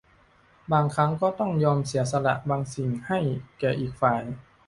บางครั้งก็ต้องยอมเสียสละบางสิ่งให้แก่อีกฝ่าย